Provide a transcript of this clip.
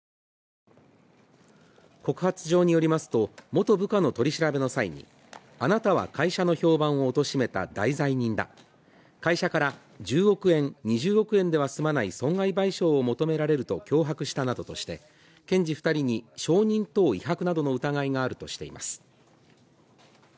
告発状によりますと、元部下の取り調べの際にあなたは会社の評判をおとしめた大罪人だ、会社から１０億円、２０億円では済まない損害賠償を求められると脅迫したなどとして検事２人に証人等威迫などの疑いがあるとしています。